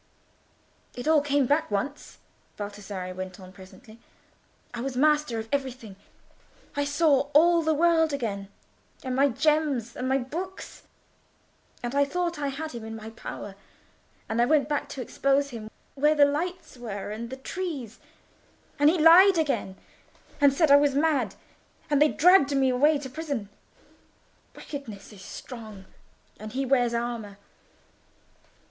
"It all came back once," Baldassarre went on presently. "I was master of everything. I saw all the world again, and my gems, and my books; and I thought I had him in my power, and I went to expose him where—where the lights were and the trees; and he lied again, and said I was mad, and they dragged me away to prison... Wickedness is strong; and he wears armour."